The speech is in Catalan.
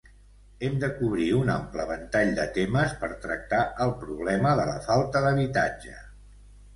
Hem de cobrir un ample ventall de temes per tractar el problema de la falta d'habitatge.